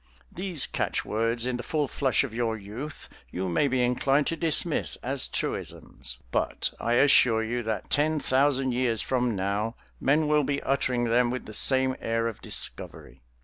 These catch words in the full flush of your youth you may be inclined to dismiss as truisms, but I assure you that 10,000 years from now men will be uttering them with the same air of discovery.